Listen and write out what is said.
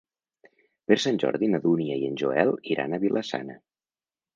Per Sant Jordi na Dúnia i en Joel iran a Vila-sana.